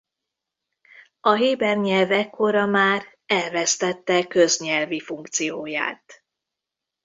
A héber nyelv ekkorra már elvesztette köznyelvi funkcióját.